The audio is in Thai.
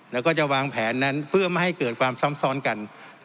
แล้วก็จะวางแผนนั้นเพื่อไม่ให้เกิดความซ้ำซ้อนกัน